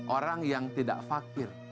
orang yang tidak fakir